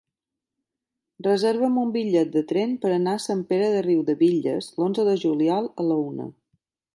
Reserva'm un bitllet de tren per anar a Sant Pere de Riudebitlles l'onze de juliol a la una.